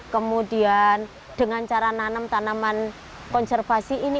kemudian dengan cara nanam tanaman konservasi ini